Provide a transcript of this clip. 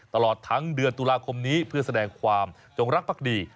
ตลอดทั้งเดือนตุลาคมนี้เพื่อแสดงความจงรักภักดี